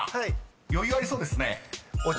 ［余裕ありそうですね］